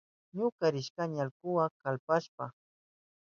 Ñuka rishpayni allkuka kallpashka.